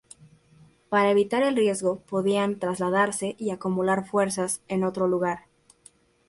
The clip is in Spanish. Para evitar el riesgo podían trasladarse y acumular fuerzas en otro lugar.